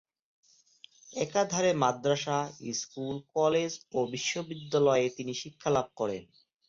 একাধারে মাদ্রাসা, school, college ও বিশ্ববিদ্যালয়ে তিনি শিক্ষা লাভ করেন।